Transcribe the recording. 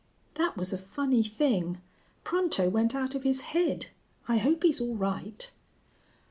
"That was a funny thing. Pronto went out of his head. I hope he's all right."